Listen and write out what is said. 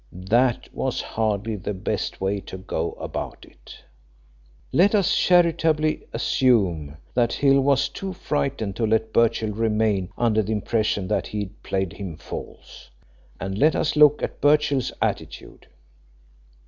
That was hardly the best way to go about it. Let us charitably assume that Hill was too frightened to let Birchill remain under the impression that he'd played him false, and let us look at Birchill's attitude.